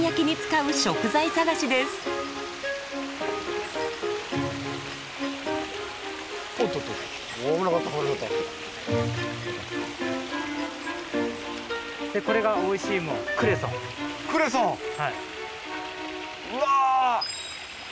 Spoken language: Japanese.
うわ。